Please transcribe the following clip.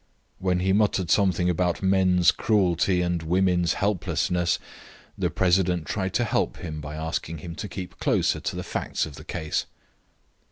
When he muttered something about men's cruelty and women's helplessness, the president tried to help him by asking him to keep closer to the facts of the case.